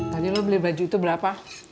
tadi lo beli baju itu berapa